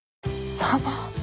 サバ？